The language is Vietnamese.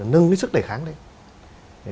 nâng cái sức đề kháng đi